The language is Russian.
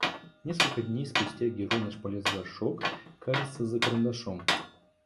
Несколько дней спустя герой наш полез в горшок, кажется, за карандашом.